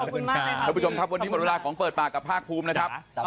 คุณผู้ชมครับวันนี้หมดเวลาของเปิดปากกับภาคภูมินะครับ